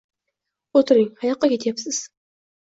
O`tiring, qayoqqa ketyapsiz